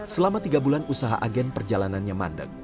selama tiga bulan usaha agen perjalanannya mandek